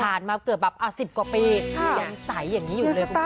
มาเกือบแบบ๑๐กว่าปียังใสอย่างนี้อยู่เลยคุณผู้ชม